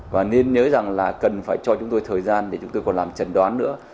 và nên nhớ rằng là cần phải cho chúng tôi thời gian để chúng tôi còn làm trần đoán nữa